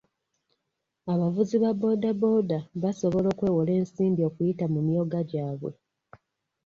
Abavuzi ba booda booda basobola okwewola ensimbi okuyita mu myoga gyabwe.